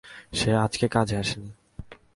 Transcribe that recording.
সে আজকে কাজে আসেনি।